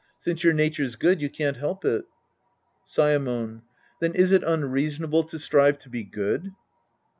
Since your nature's good, you can't help it. Saemon. Then is it unreasonable to strive to be good?